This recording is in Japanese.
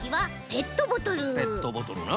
ペットボトルな。